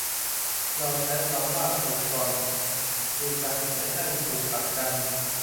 เราใช้คำว่าผูกกลอน คือการเขียนให้ผูกขัดกัน